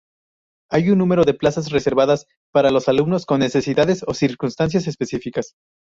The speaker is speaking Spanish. Hay un número de plazas reservadas para los alumnos con necesidades o circunstancias específicas.